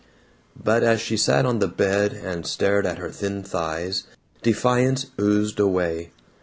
But as she sat on the bed and stared at her thin thighs, defiance oozed away.